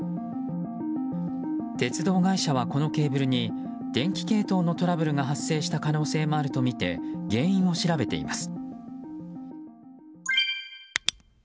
鉄道会社は、このケーブルに電気系統のトラブルが発生した可能性もあるとみて原因を調べています。